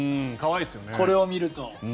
これを見ると。